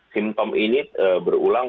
simptom ini berulang